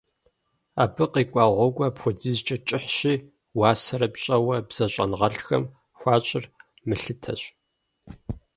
Абы къикӀуа гъуэгур апхуэдизкӀэ кӀыхьщи, уасэрэ пщӀэуэ бзэщӀэныгъэлӀхэм хуащӀыр мылъытэщ.